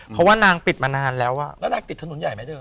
เพราะว่านางปิดมานานแล้วแล้วนางติดถนนใหญ่ไหมเธอ